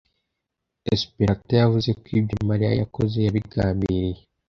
Esperata yavuze ko ibyo Mariya yakoze yabigambiriye.